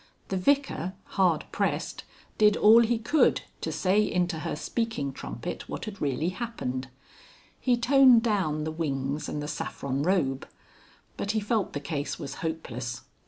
The Vicar, hard pressed, did all he could to say into her speaking trumpet what had really happened. He toned down the wings and the saffron robe. But he felt the case was hopeless.